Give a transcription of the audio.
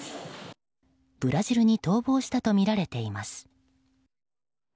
ブラジルに逃亡したとみられています。